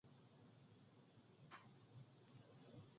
허리춤을 훔칫훔칫하더니 일 원짜리 한 장을 꺼내어 중대가리 앞에 펄쩍 집어던졌다.